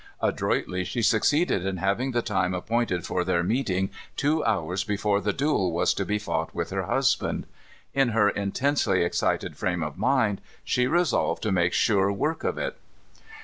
Adroitly she succeeded in having the time appointed for their meeting two hours before the duel was to be fought with her husband. In her intensely excited frame of mind she resolved to make sure work of it.